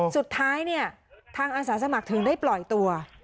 สุดท้ายเนี่ยทางอาสาสมัครถึงได้ปล่อยตัว